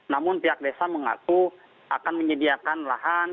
namun pihak desa mengaku akan menyediakan lahan